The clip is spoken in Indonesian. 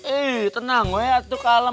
eh tenang ya itu kalem